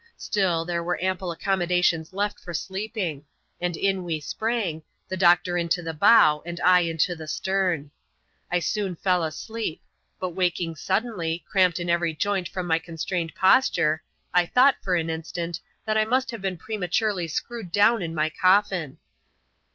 Still, there were ample accommodations left for sleeping; and in we sprang — the doctor into the bow, and I into the stem. I soon fell asleep ; but waking suddenly, cramped in every joint from my con strained posture, I thought, for an instant, that I must have been prematurely screwed down in my coffin.